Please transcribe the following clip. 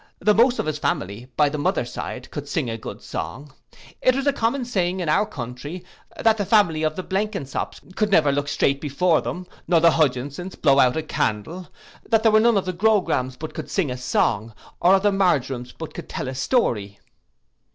The most of his family, by the mother's side, could sing a good song: it was a common saying in our country, that the family of the Blenkinsops could never look strait before them, nor the Huginsons blow out a candle; that there were none of the Grograms but could sing a song, or of the Marjorams but could tell a story.